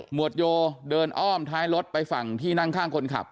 วดโยเดินอ้อมท้ายรถไปฝั่งที่นั่งข้างคนขับ